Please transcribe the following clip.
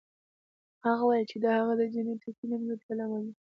هغه وویل چې دا د هغه د جینیتیکي نیمګړتیا له امله ده